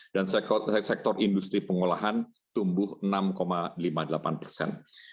dan sektor industri pengolahan tumbuh enam lima puluh delapan persen